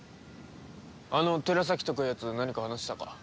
あの寺崎とかいうやつ何か話したか？